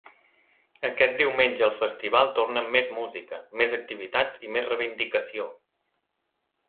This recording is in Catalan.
Aquest diumenge el festival torna amb més música, més activitats i més reivindicació.